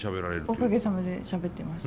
おかげさまでしゃべってます。